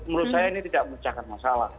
menurut saya ini tidak memecahkan masalah